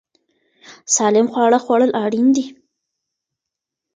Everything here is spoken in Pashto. سالم خواړه خوړل اړین دي.